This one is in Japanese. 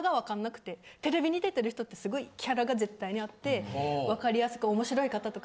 テレビに出てる人ってすごいキャラが絶対にあって分かりやすく面白い方とか。